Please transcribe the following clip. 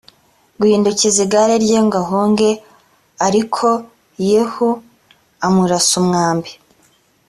guhindukiza igare rye ngo ahunge arikoyehu amurasa umwambi